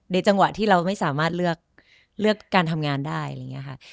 ในจังหวะที่เราไม่สามารถเลือกการทำงานได้